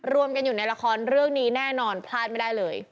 รวมกันอยู่ในละครเรื่องนี้แน่นอนพลาดไม่ได้เลย